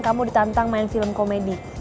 kamu ditantang main film komedi